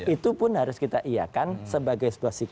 itu pun harus kita iakan sebagai sebuah sikap